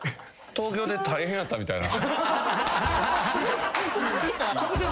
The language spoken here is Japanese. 「東京で大変やったみたいやな」